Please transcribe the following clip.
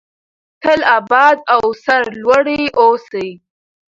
تل اباد او سرلوړي اوسئ.